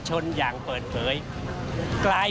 ส่วนต่างกระโบนการ